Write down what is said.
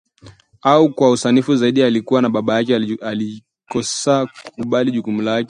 Au kwa usanifu zaidi, alikuwa na baba aliyekosa kukubali jukumu lake